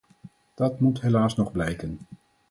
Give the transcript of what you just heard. Dat moet helaas nog blijken.